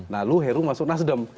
nah lu heru masuk nasdem